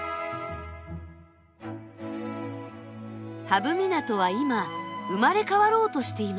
波浮港は今生まれ変わろうとしています。